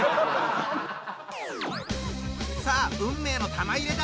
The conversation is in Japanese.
さあ運命の玉入れだ！